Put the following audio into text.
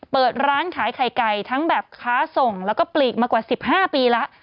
เปิดร้านขายไข่ไก่ทั้งแบบค้าส่งแล้วก็ปลีกมากว่า๑๕ปีแล้ว